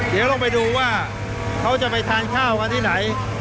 เดี๋ยวลองไปดูว่าเขาจะไปทานข้าวกันที่ไหน